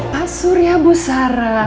pak surya busara